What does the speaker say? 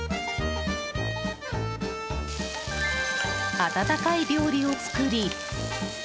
温かい料理を作り。